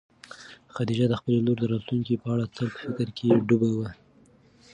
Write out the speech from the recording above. خدیجه د خپلې لور د راتلونکي په اړه تل په فکر کې ډوبه وه.